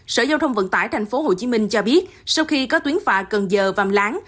sở giao thông vận tải tp hcm cho biết sau khi có tuyến phà cần giờ vàm láng